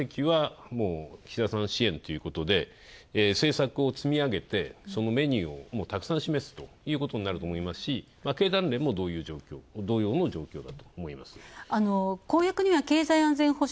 全体として、霞ヶ関は岸田さん支援ということで政策を積み上げ、そのメニューもたくさん示すということになりますし経団連も同様の状況だと思います。